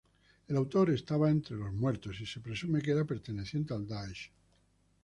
El autor estaba entre los muertos y se presume que era perteneciente al Daesh.